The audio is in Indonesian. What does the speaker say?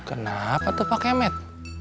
kenapa tuh pake med